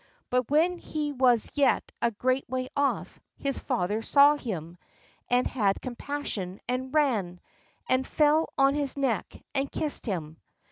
But when he was yet a great way off, his father saw him, and . had compassion, and ran, and fell on his neck, and kissed him.